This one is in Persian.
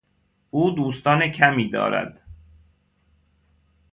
او دوستان کمی دارد.